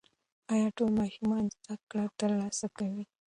ایا ټول ماشومان زده کړه ترلاسه کوي؟